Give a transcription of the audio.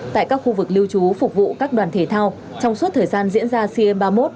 tại các khu vực lưu trú phục vụ các đoàn thể thao trong suốt thời gian diễn ra sea games ba mươi một